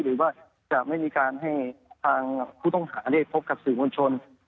หรือว่าจะไม่มีการให้ทางผู้ต้องหาได้พบกับสื่อมวลชน